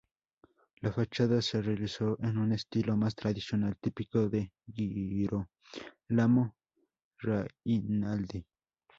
La fachada se realizó en un estilo más tradicional típico de Girolamo Rainaldi.